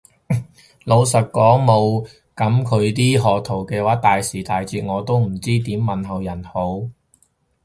老實講冇噉佢啲賀圖嘅話，大時大節我都唔知點問候人好